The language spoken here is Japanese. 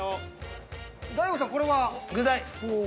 大悟さんこれは？具材。